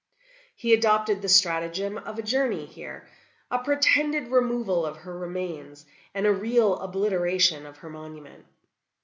"He adopted the stratagem of a journey here, a pretended removal of her remains, and a real obliteration of her monument.